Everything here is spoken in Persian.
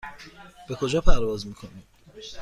به کجا پرواز میکنید؟